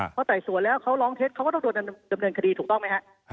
เพราะใต้สวนแล้วเขาร้องเท็จเพราะต้องจำเนินคดีถูกต้องไหมฮะ